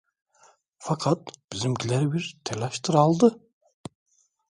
Fakat bizimkileri bir telaştır aldı.